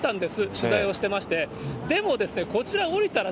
取材をしてまして、でもですね、こちら降りたら、